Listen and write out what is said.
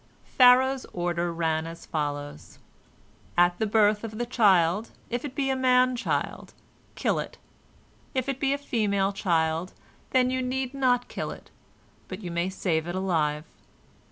Pharaoh's order ran as follows: "At the birth of the child, if it be a man child, kill it; but if it be a female child, then you need not kill it, but you may save it alive."